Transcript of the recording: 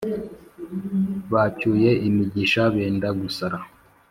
Bacyuye imigisha bénda gusara